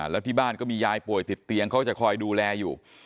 แล้วที่บ้านก็มียายป่วยติดเตียงเขาจะคอยดูแลอยู่